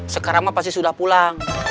sekarang pasti sudah pulang